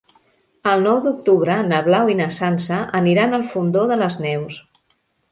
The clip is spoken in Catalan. El nou d'octubre na Blau i na Sança aniran al Fondó de les Neus.